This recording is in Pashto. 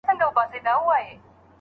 زموږ پر کور باندي نازل دومره لوی غم دی